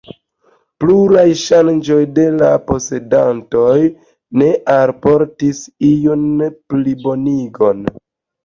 Pluraj ŝanĝoj de la posedantoj ne alportis iun plibonigon.